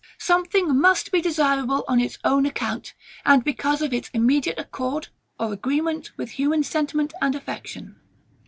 Something must be desirable on its own account, and because of its immediate accord or agreement with human sentiment and affection.